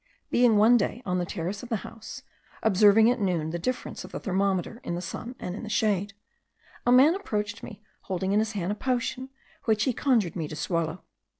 Being one day on the terrace of the house, observing at noon the difference of the thermometer in the sun and in the shade, a man approached me holding in his hand a potion, which he conjured me to swallow.